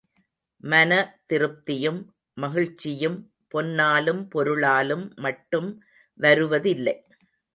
மனதிருப்தியும் மகிழ்ச்சியும், பொன்னாலும் பொருளாலும் மட்டும் வருவதில்லை.